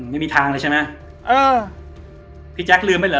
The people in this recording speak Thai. ไม่มีทางเลยใช่ไหมเออพี่แจ๊คลืมไปเหรอ